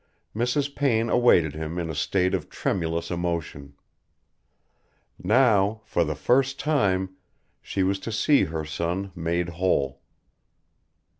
Mrs. Payne awaited him in a state of tremulous emotion. Now, for the first time, she was to see her son made whole.